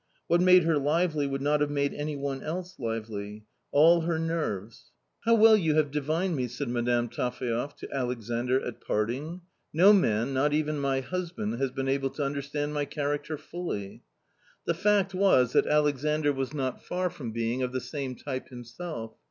What made her lively would not have made any one else lively. All her nerves 1 a> 176 A COMMON STORY " How well you have divined me," said Madame Taphaev to Alexandr at parting. " No man, not even my husband^ has been able to understand my character fully ." The fact was that Alexandr was not far from being of the same type himself.